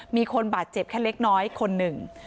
มีคนบาดเจ็บแค่เล็กน้อยคนหนึ่ง